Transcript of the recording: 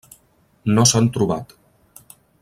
No s'han trobat.